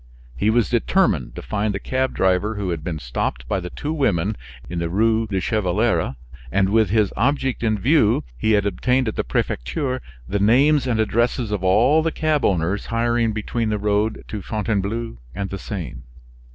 He was determined to find the cab driver who had been stopped by the two women in the Rue du Chevaleret; and with this object in view, he had obtained at the prefecture the names and addresses of all the cab owners hiring between the road to Fontainebleau and the Seine.